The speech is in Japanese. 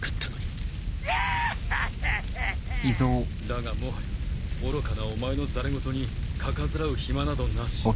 だがもはや愚かなお前のざれ言にかかずらう暇などなし。